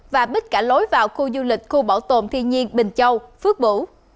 và bích cả lối vào khu du lịch khu bảo tồn thiên nhiên bình châu phước bủ